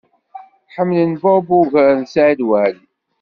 Ḥemmlen Bob ugar n Saɛid Waɛli.